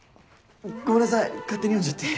ごめんなさい勝手に読んじゃって。